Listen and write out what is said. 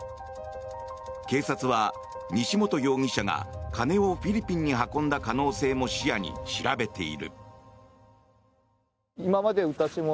警察は西本容疑者が金をフィリピンに運んだ可能性も視野に調べている。